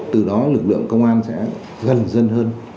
từ đó lực lượng công an sẽ gần dân hơn